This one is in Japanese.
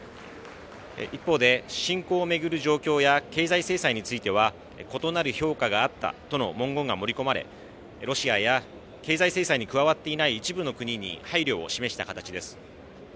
一方で、侵攻を巡る状況や経済制裁については異なる評価があったとの文言が盛り込まれロシアや経済制裁に加わっていない一部の国に配慮を示した形です。